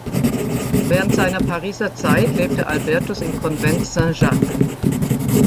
Während seiner Pariser Zeit lebte Albertus im Konvent Saint-Jacques.